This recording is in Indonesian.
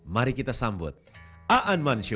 mari kita sambut aan mansha